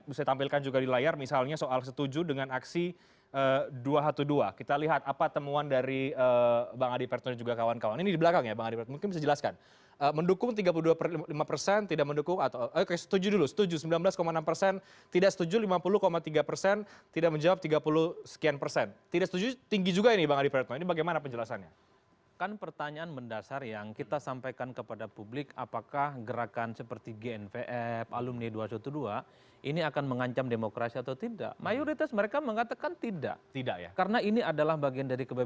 usai jeda kami akan segera kembali sesaat lagi